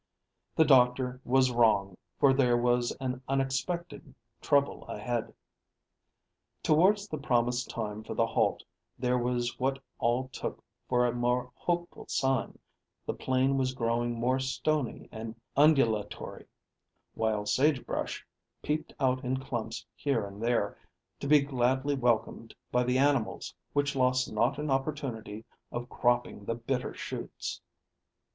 The doctor was wrong, for there was an unexpected trouble ahead. Towards the promised time for the halt there was what all took for a more hopeful sign: the plain was growing more stony and undulatory, while sage brush peeped out in clumps here and there, to be gladly welcomed by the animals, which lost not an opportunity of cropping the bitter shoots.